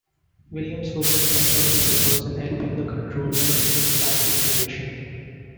Williams focused much of his efforts in helping the controller in tax litigation.